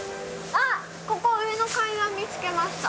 あっ、ここ上の階段、見つけました。